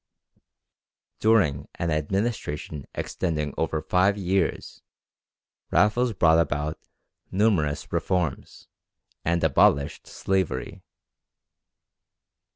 During an administration extending over five years, Raffles brought about numerous reforms, and abolished slavery.